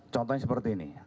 contohnya seperti ini ada